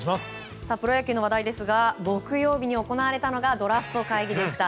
プロ野球の話題ですが木曜日に行われたのがドラフト会議でした。